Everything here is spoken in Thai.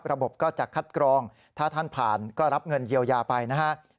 ก็จะคัดกรองถ้าท่านผ่านก็รับเงินเยียวยาไปนะครับ